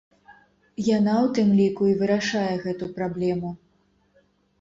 Яна, у тым ліку, і вырашае гэту праблему.